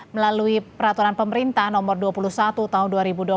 melalui peraturan pemerintah nomor dua puluh satu tahun dua ribu dua puluh